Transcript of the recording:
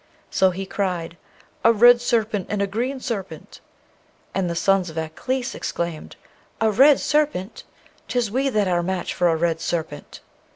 So he cried, 'A red serpent and a green serpent!' And the sons of Aklis exclaimed, 'A red serpent? 'Tis we that are match for a red serpent!'